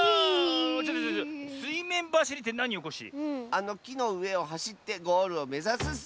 あのきのうえをはしってゴールをめざすッス！